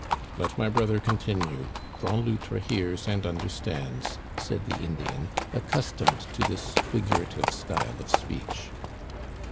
" Let my brother continue. Grand Loutre hears and understands," said the Indian, accustomed to this figur ative style of speech.